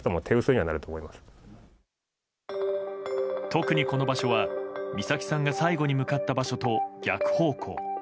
特に、この場所は美咲さんが最後に向かった場所と逆方向。